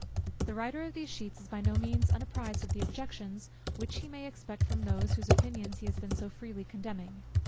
The writer of these sheets is by no means unapprized of the objections which he may expect from those, whose opinions he has been so freely condemning.